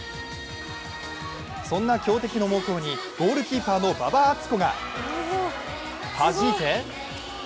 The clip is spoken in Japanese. そんな強敵の猛攻にゴールキーパーの馬場敦子がはじいて！